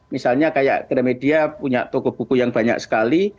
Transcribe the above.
misalnya kayak gramedia punya toko buku yang banyak sekali